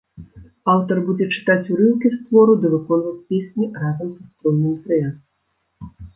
Аўтар будзе чытаць урыўкі з твору ды выконваць песні разам са струнным трыа.